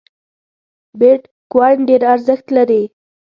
بیټ کواین ډېر ارزښت لري